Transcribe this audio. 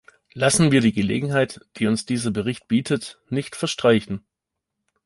Lassen wir die Gelegenheit, die uns dieser Bericht bietet, nicht verstreichen.